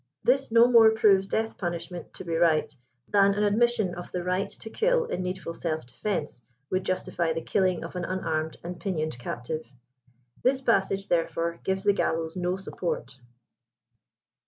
This no more proves death punishment to be right, than an admission of the right to kill in needful self de fense would justify the killing of an unarmed and pinioned captive. This passage therefore gives the gallows no support.